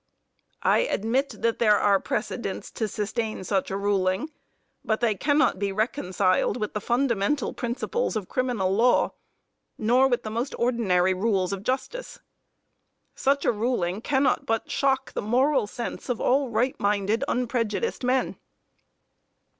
I admit that there are precedents to sustain such ruling, but they cannot be reconciled with the fundamental principles of criminal law, nor with the most ordinary rules of justice. Such a ruling cannot but shock the moral sense of all right minded, unprejudiced men.